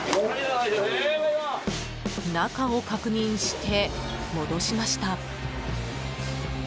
中を確認して、戻しました。